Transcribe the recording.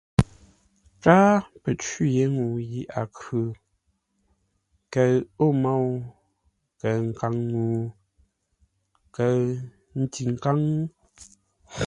Káa pə́ cwî yé ŋuu yi a khʉ, kəʉ o môu, kəʉ nkaŋ-ŋuu, kəʉ ntikáŋ.